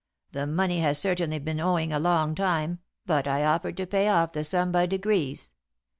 The money has certainly been owing a long time, but I offered to pay off the sum by degrees.